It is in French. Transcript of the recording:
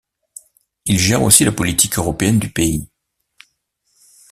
Il gère aussi la politique européenne du pays.